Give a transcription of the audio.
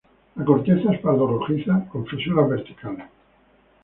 La corteza es pardo-rojiza, con fisuras verticales.